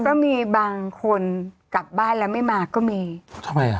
ก็มีบางคนกลับบ้านแล้วไม่มาก็มีทำไมอ่ะ